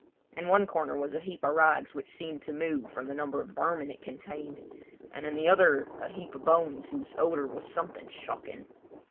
In one corner was a heap of rags which seemed to move from the number of vermin it contained, and in the other a heap of bones whose odour was something shocking.